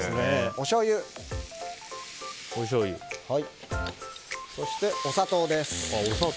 おしょうゆ、そしてお砂糖です。